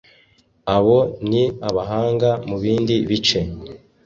abo ni abahanga mubindi bice